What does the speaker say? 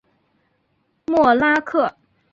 默拉克。